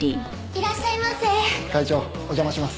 いらっしゃいませ。